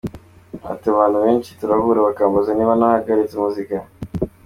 Ati “ Abantu benshi turahura bakambaza niba narahagaritse muzika.